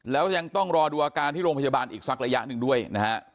แล้วยังต้องรอดูอาการที่โรงพยาบาลอีกสักระยะหนึ่งด้วยนะฮะ